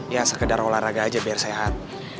ya sekedar olahraga aja biar sehat